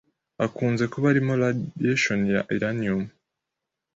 akunze kuba arimo radiation ya uranium